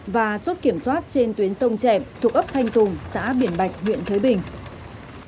và chốt kiểm soát trên tuyến sông chẹp thuộc ấp thanh tùng xã biển bạch huyện thế bình